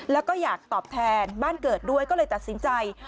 แล้วก็อยากตอบแทนบ้านเกิดด้วยก็เลยตัดสินใจ